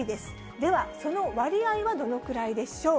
ではその割合はどのくらいでしょう。